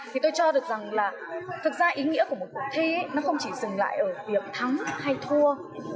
thì tôi cho được rằng là thực ra ý nghĩa của một cuộc thi nó không chỉ dừng lại ở việc thắng hay thua